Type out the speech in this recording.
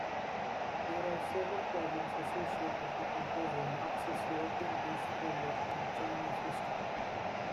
There are several problems associated with imposing Marx's European-based framework on Chinese history.